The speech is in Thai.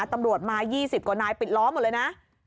ตำรวจมา๒๐กว่านายปิดล้อหมดเลยนะ